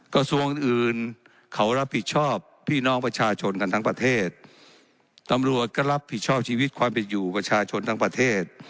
กระทรวงอื่นเขารับผิดชอบพี่น้องประชาชนกันทั้งประเทศตำรวจก็รับผิดชอบชีวิตความผิดอยู่ประชาชนทั้งประเทศ